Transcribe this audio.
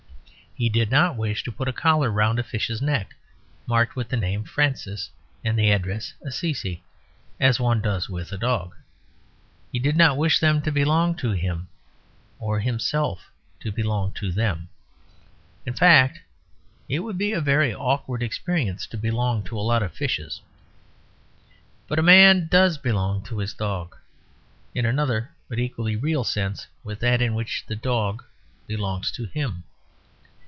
He did not wish to put a collar round a fish's neck, marked with the name "Francis," and the address "Assisi" as one does with a dog. He did not wish them to belong to him or himself to belong to them; in fact, it would be a very awkward experience to belong to a lot of fishes. But a man does belong to his dog, in another but an equally real sense with that in which the dog belongs to him.